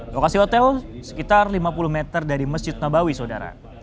lokasi hotel sekitar lima puluh meter dari masjid nabawi saudara